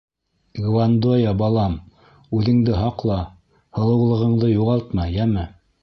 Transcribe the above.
— Гвандоя балам, үҙеңде һаҡла, һылыулығыңды юғалтма, йәме.